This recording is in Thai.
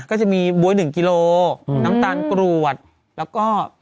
ก็จะมีบ๊วย๑กิโลน้ำตาลกรวดแล้วก็